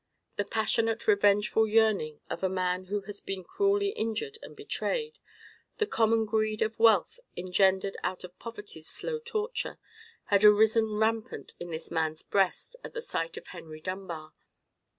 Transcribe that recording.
The passionate, revengeful yearning of a man who has been cruelly injured and betrayed, the common greed of wealth engendered out of poverty's slow torture, had arisen rampant in this man's breast at the sight of Henry Dunbar.